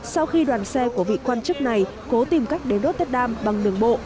sau khi đoàn xe của vị quan chức này cố tìm cách đến rotterdam bằng đường bộ